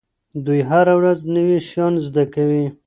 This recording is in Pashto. دوی هره ورځ نوي شیان زده کوي.